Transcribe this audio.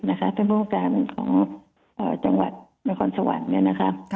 เป็นผู้มันครับการของจังหวัดนครสวรรค์